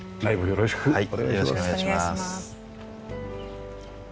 よろしくお願いします。